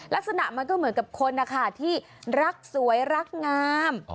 ลักษณะมันก็เหมือนกับคนนะคะที่รักสวยรักงาม